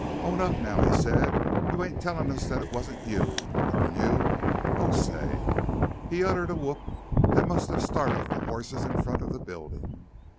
"Own up now!" he said. "You ain't tellin' us that it wasn't you, durn you! Oh, say!" He uttered a whoop that must have startled the horses in front of the building.